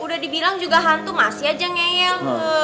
udah dibilang juga hantu masih aja ngeyel